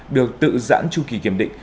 được tự giãn chu kỳ kiểm định